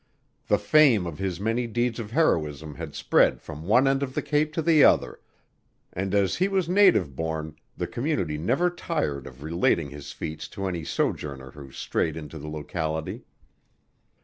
The fame of his many deeds of heroism had spread from one end of the Cape to the other, and as he was native born the community never tired of relating his feats to any sojourner who strayed into the locality.